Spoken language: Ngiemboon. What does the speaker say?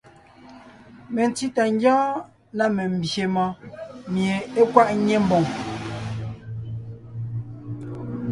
Mentí tà ńgyɔ́ɔn na membyè mɔɔn mie é kwaʼ ńnyé ḿboŋ.